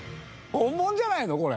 本物じゃないの？